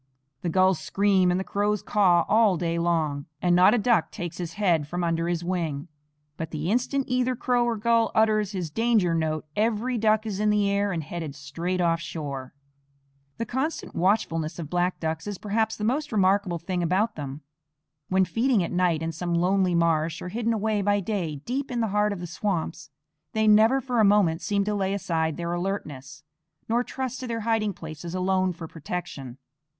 The gulls scream and the crows caw all day long, and not a duck takes his head from under his wing; but the instant either crow or gull utters his danger note every duck is in the air and headed straight off shore. The constant watchfulness of black ducks is perhaps the most remarkable thing about them. When feeding at night in some lonely marsh, or hidden away by day deep in the heart of the swamps, they never for a moment seem to lay aside their alertness, nor trust to their hiding places alone for protection.